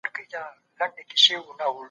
ما خپل ټول امانتونه په خوندي ځای کي ساتل.